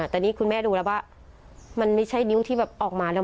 แต่นี่คุณแม่ดูแล้วว่ามันไม่ใช่นิ้วที่แบบออกมาแล้ว